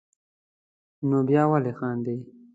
نو بیا ولې خاندې.